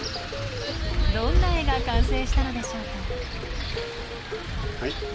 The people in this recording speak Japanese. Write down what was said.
どんな絵が完成したのでしょうか？